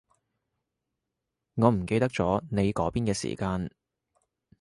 我唔記得咗你嗰邊嘅時間